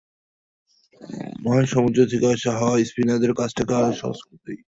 মহাসমুদ্র থেকে ভেসে আসা হাওয়াও স্পিনারদের কাজটাকে আরও সহজ করে দেয়।